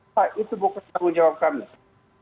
pak itu bukan tanggung jawab kami